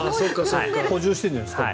補充してるんじゃないですか。